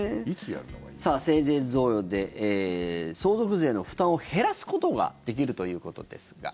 生前贈与で相続税の負担を減らすことができるということですが。